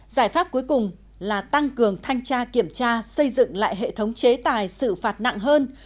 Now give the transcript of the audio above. giải pháp cuối cùng là tăng cường thanh tra kiểm tra xây dựng lại hệ thống chế tài xử phạt nặng hơn